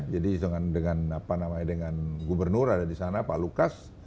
jadi dengan gubernur ada di sana pak lukas